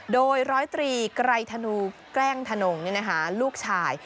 โดย๑๐๓ไกลถนนแกล้งถนนลูกชาย